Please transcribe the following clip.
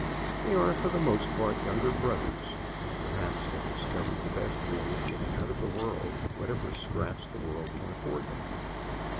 They are for the most part younger brothers, and perhaps have discovered the best way of getting out of the world whatever scraps the world can afford them.